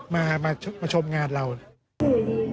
มาชมงานเรามะ